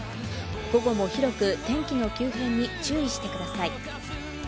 午後も広く天気の急変に注意してください。